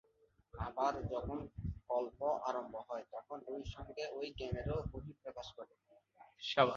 আবার যখন কল্প আরম্ভ হয়, তখন ঐ সঙ্গে এই জ্ঞানেরও বহিঃপ্রকাশ ঘটে।